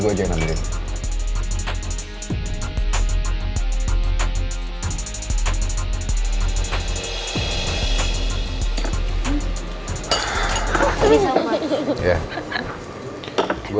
oke jangan lama lama